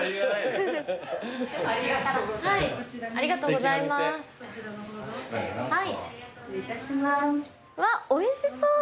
うわおいしそう。